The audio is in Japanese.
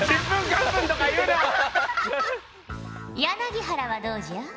柳原はどうじゃ？